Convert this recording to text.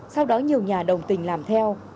sau đó nhiều nhà đồng tình làm theo